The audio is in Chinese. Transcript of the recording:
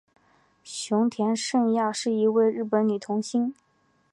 熊田圣亚是一位日本女童星。